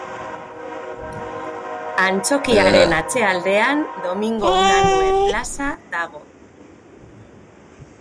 Antzokiaren atzealdean Domingo Unanue plaza dago.